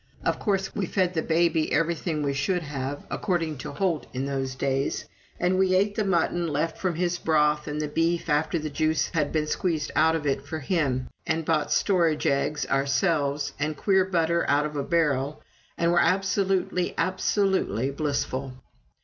Of course, we fed the baby everything he should have, according to Holt in those days, and we ate the mutton left from his broth and the beef after the juice had been squeezed out of it for him, and bought storage eggs ourselves, and queer butter out of a barrel, and were absolutely, absolutely blissful.